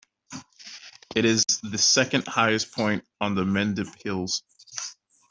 It is the second highest point on the Mendip Hills.